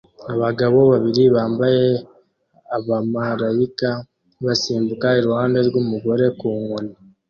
Abagabo babiri bambaye abamarayika basimbuka iruhande rwumugore ku nkoni